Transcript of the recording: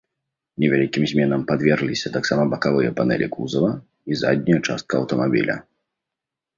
Невялікім зменам падвергліся таксама бакавыя панэлі кузава і задняя частка аўтамабіля.